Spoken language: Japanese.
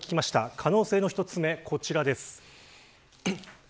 可能性の一つはこちらです。